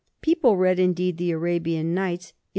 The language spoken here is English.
People read indeed the "Arabian Nights" in M.